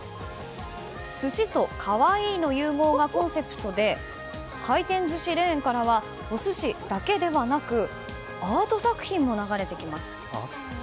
寿司とカワイイの融合がコンセプトで回転寿司レーンからはお寿司だけではなくアート作品も流れてきます。